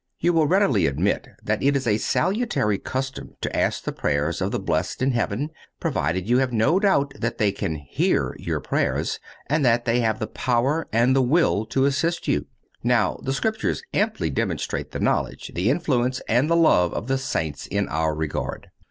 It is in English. You will readily admit that it is a salutary custom to ask the prayers of the blessed in heaven, provided you have no doubt that they can hear your prayers, and that they have the power and the will to assist you. Now the Scriptures amply demonstrate the knowledge, the influence and the love of the Saints in our regard.